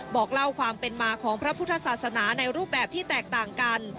บอกเล่าความเป็นมาของพระพุทธศาสนาในรูปแบบที่แตกต่างกัน